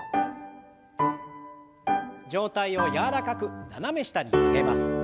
上体を柔らかく斜め下に曲げます。